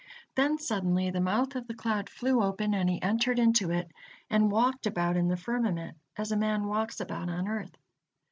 Then suddenly the mouth of the cloud flew open, and he entered into it, and walked about in the firmament as a man walks about on earth.